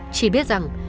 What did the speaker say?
chỉ biết rằng